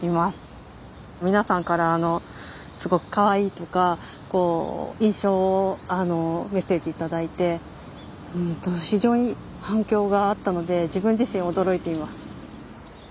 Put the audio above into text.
皆さんから「すごくかわいい」とか印象をメッセージ頂いて非常に反響があったので自分自身驚いています。